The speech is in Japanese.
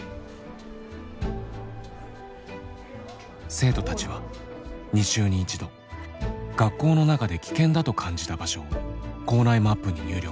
生徒たちは２週に１度学校の中で危険だと感じた場所を校内マップに入力。